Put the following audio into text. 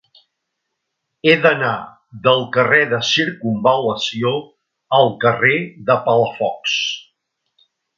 He d'anar del carrer de Circumval·lació al carrer de Palafox.